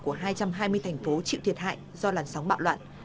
của hai trăm hai mươi thành phố chịu thiệt hại do làn sóng bạo loạn